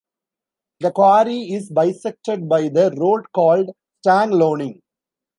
The quarry is bisected by the road called Stang Lonning.